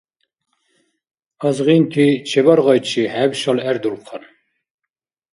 Азгъинти чебаргъайчи, хӀеб шалгӀердулхъан.